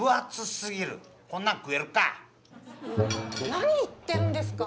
何言ってるんですか